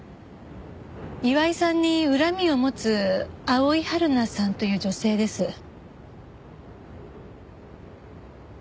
岩井さんに恨みを持つ青井春菜さんという女性です。